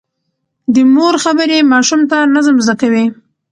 د مور خبرې ماشوم ته نظم زده کوي.